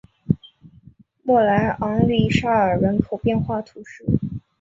莫莱昂利沙尔人口变化图示